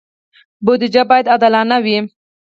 بودجه باید عادلانه وي